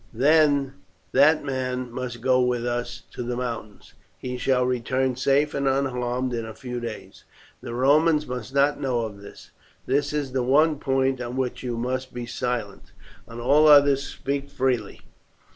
"Then that man must go with us to the mountains. He shall return safe and unharmed in a few days. The Romans must not know of this. This is the one point on which you must be silent; on all others speak freely.